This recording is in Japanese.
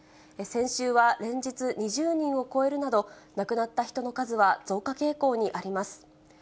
先週は連日、２０人を超えるなど、亡くなった人の数は増加傾向にあります。